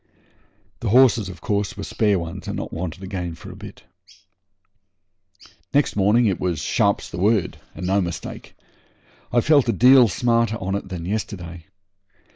The horses, of course, were spare ones, and not wanted again for a bit. Next morning it was 'sharp's the word', and no mistake. I felt a deal smarter on it than yesterday.